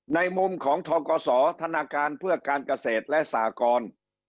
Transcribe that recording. ในมุมของทกศธนาคารเพื่อการเกษตรและสากร